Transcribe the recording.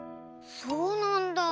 そうなんだ。